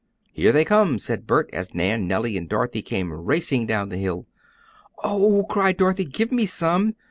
"Here they come," said Bert, as Nan, Nellie, and Dorothy came racing down the hill. "Oh!" cried Dorothy, "give me some!"